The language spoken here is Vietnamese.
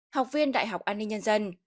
học viên đại học an ninh nhân dân